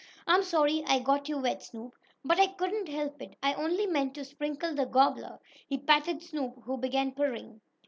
"I'm sorry I got you wet, Snoop, but I couldn't help it. I only meant to sprinkle the gobbler." He patted Snoop, who began purring.